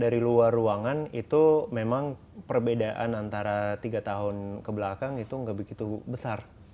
dari luar ruangan itu memang perbedaan antara tiga tahun kebelakang itu nggak begitu besar